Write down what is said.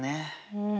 うん。